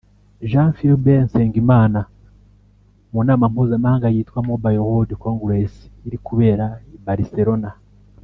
Jean Philbert Nsengimana mu nama mpuzamahanga yitwa ‘Mobile World Congress’ iri kubera i Barcelona